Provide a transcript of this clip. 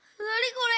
これ。